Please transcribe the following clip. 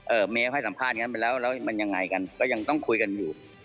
เมฟให้สัมภาษณ์งั้นไปแล้วแล้วมันยังไงกันก็ยังต้องคุยกันอยู่